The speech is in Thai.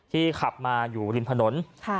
ที่ขับมาอยู่ลินพนต์